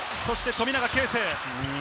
富永啓生。